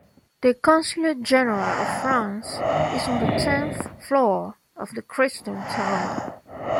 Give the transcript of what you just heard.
The Consulate-General of France is on the tenth floor of the Crystal Tower.